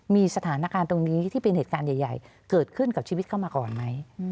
มีสถานการณ์ตรงนี้ที่เป็นเหตุการณ์ใหญ่เกิดขึ้นกับชีวิตเข้ามาก่อนไหม